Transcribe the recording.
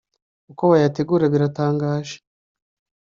Uko bayategura biratangaje.